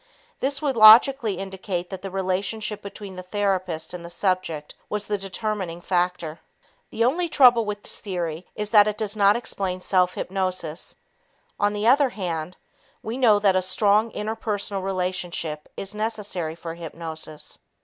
This would logically indicate that the relationship between the therapist and the subject was the determining factor. The only trouble with this theory is that it does not explain self hypnosis. On the other hand, we know that a strong interpersonal relationship is necessary for hypnosis.